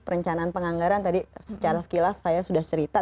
perencanaan penganggaran tadi secara sekilas saya sudah cerita